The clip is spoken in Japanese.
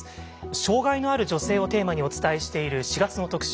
「障害のある女性」をテーマにお伝えしている４月の特集